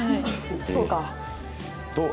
「そうか」。